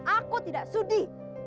aku tidak sudi